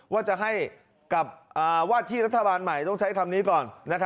ว่าจะให้กับว่าที่รัฐบาลใหม่ต้องใช้คำนี้ก่อน